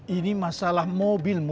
ini masalah mobilmu